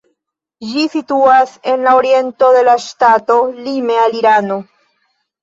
Ĝi situas en la oriento de la ŝtato, lime al Irano.